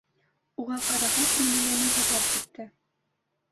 Уға ҡарағас, минең йәнем һыҙлап китте.